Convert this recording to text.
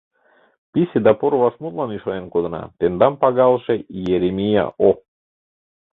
Писе да поро вашмутлан ӱшанен кодына, тендам пагалыше Иеремия О.